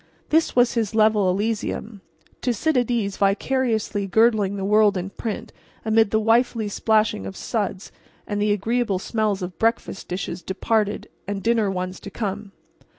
This was his level Elysium—to sit at ease vicariously girdling the world in print amid the wifely splashing of suds and the agreeable smells of breakfast dishes departed and dinner ones to come.